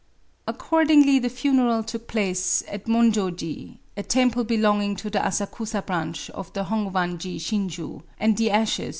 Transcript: Accordingly the funeral took place at Monjoji, — a temple belonging to the Asakusa branch of the Hongwanji Shin shu ; and the ashes were there interred.